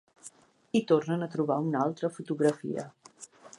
I tornen a trobar una altra fotografia.